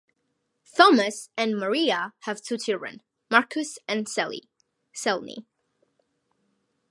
Thomas and Maria have two children: Marcus and Celine.